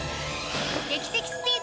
劇的スピード！